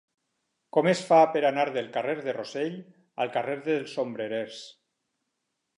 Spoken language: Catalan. Com es fa per anar del carrer de Rossell al carrer dels Sombrerers?